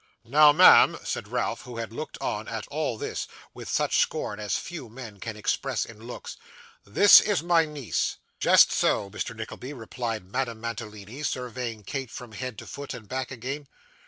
'Now, ma'am,' said Ralph, who had looked on, at all this, with such scorn as few men can express in looks, 'this is my niece.' 'Just so, Mr. Nickleby,' replied Madame Mantalini, surveying Kate from head to foot, and back again.